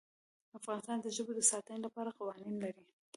افغانستان د ژبو د ساتنې لپاره قوانین لري.